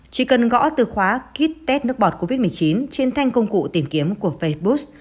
chỉ cần gõ từ khóa kites nước bọt covid một mươi chín trên thanh công cụ tìm kiếm của facebook